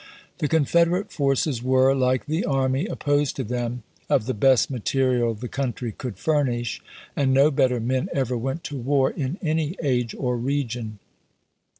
The Confederate forces were, like the army opposed to them, of the best material the country could furnish ; and no better men ever went to war, in any age or region.